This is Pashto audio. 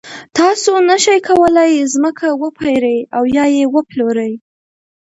تاسو نشئ کولای ځمکه وپېرئ او یا یې وپلورئ.